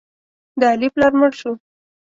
د علي پلار مړ شو.